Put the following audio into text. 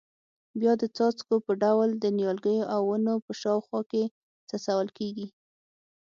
بیا د څاڅکو په ډول د نیالګیو او ونو په شاوخوا کې څڅول کېږي.